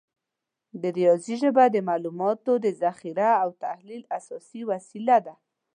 د ریاضي ژبه د معلوماتو د ذخیره او تحلیل اساسي وسیله ده.